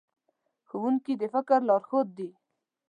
ښوونکي د فکر لارښود دي.